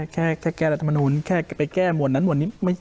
แค่แก้รัฐมนูลแค่ไปแก้หมวดนั้นหวดนี้